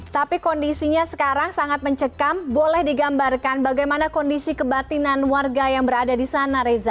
tapi kondisinya sekarang sangat mencekam boleh digambarkan bagaimana kondisi kebatinan warga yang berada di sana reza